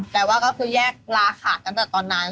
แต่ว่าก็คือแยกลาขาดตั้งแต่ตอนนั้น